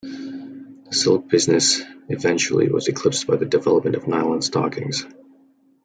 The silk business eventually was eclipsed by the development of nylon stockings.